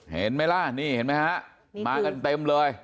เห็นมั้ยล่ะนี่เห็นมั้ยฮะมากันเต็มเลย